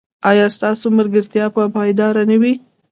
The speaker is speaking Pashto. ایا ستاسو ملګرتیا به پایداره نه وي؟